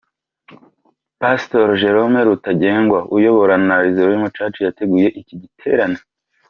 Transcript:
Pastor Jerome Rutagengwa uyobora Nazaren Church yateguye icyi giterane.